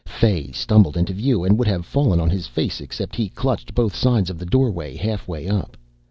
Fay stumbled into view and would have fallen on his face except he clutched both sides of the doorway halfway up.